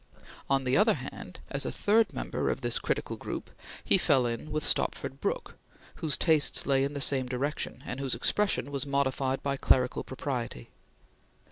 On the other hand, as a third member of this critical group, he fell in with Stopford Brooke whose tastes lay in the same direction, and whose expression was modified by clerical propriety.